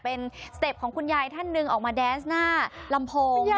เป็นสเต็ปของคุณยายท่านหนึ่งออกมาแดนส์หน้าลำโพง